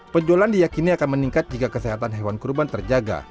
penjualan diyakini akan meningkat jika kesehatan hewan kurban terjaga